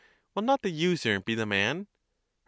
Will not the user be the man? Her.